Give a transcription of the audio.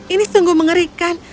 ini sungguh mengerikan